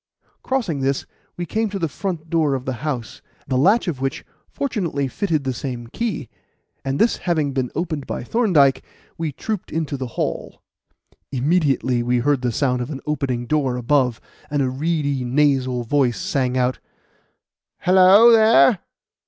Crossing this, we came to the front door of the house, the latch of which fortunately fitted the same key; and this having been opened by Thorndyke, we trooped into the hall. Immediately we heard the sound of an opening door above, and a reedy, nasal voice sang out: "Hello, there!